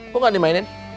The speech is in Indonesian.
kok gak dimainin